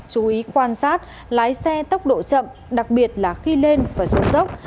chú ý quan sát lái xe tốc độ chậm đặc biệt là khi lên và xuống dốc